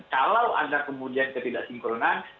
kalau ada kemudian ketidaksinkronan